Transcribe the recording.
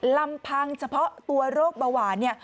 ลำพังเฉพาะตัวโรคเบาหวาน